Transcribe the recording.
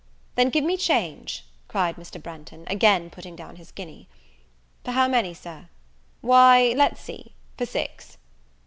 "Then give me change," cried Mr. Branghton, again putting down his guinea. "For how many, Sir?" "Why let's see, for six."